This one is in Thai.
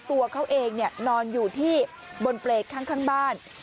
ตัวเขาเองนอนอยู่ที่บนเปรย์ข้างบ้าน